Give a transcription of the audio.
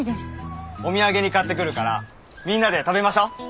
お土産に買ってくるからみんなで食べましょう。